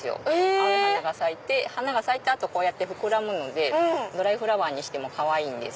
青い花が咲いて花が咲いた後こうやって膨らむのでドライフラワーにしてもかわいいんです。